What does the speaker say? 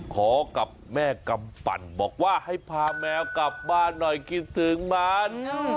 กับแม่กำปั่นบอกว่าให้พาแมวกลับบ้านหน่อยคิดถึงมัน